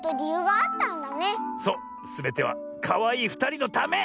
すべてはかわいいふたりのため！